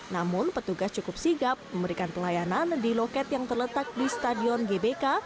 namun petugas cukup sigap memberikan pelayanan di loket yang terletak di stadion gbk